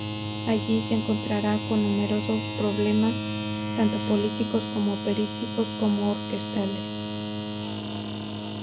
Allí, se encontrará con numeroso problemas, tanto políticos, como operísticos, como orquestales.